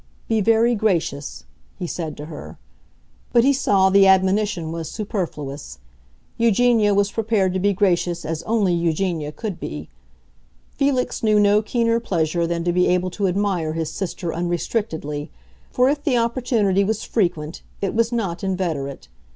"Be very gracious," he said to her. But he saw the admonition was superfluous. Eugenia was prepared to be gracious as only Eugenia could be. Felix knew no keener pleasure than to be able to admire his sister unrestrictedly; for if the opportunity was frequent, it was not inveterate.